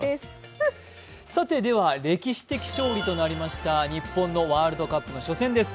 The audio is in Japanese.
では、歴史的勝利となりました日本のワールドカップの初戦です。